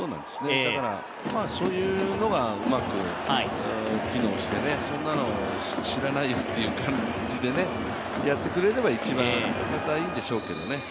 だからそういうのがうまく機能してそんなの知らないよという感じでやってくれれば一番、本当はいいでしょうけどね。